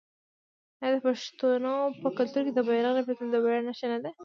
آیا د پښتنو په کلتور کې د بیرغ رپیدل د ویاړ نښه نه ده؟